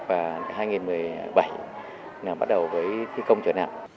và hai nghìn một mươi bảy bắt đầu với thi công trở nạn